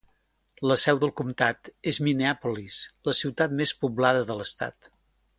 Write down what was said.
La seu del comtat és Minneapolis, la ciutat més poblada de l'estat.